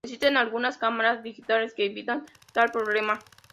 Existen algunas cámaras digitales que evitan tal problema.